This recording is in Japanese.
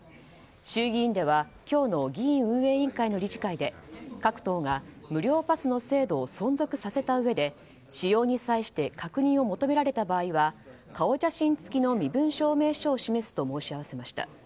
衆議院では今日の議院運営委員会の理事会で各党が無料パスの制度を存続させたうえで使用に際して確認を求められた場合は顔写真付きの身分証明書を示すと申し合わせました。